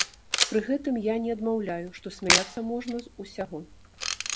Пры гэтым я не адмаўляю, што смяяцца можна з усяго.